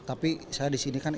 tapi saya di sini kan